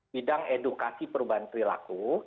bidang edukasi perubahan perilaku